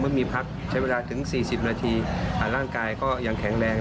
เมื่อมีพักใช้เวลาถึง๔๐มร่างกายก็ยังแข็งแรง